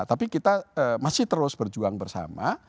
tapi kita masih terus berjuang bersama